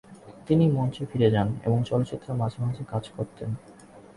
তিনি মঞ্চে ফিরে যান এবং চলচ্চিত্রে মাঝে মাঝে কাজ করতেন।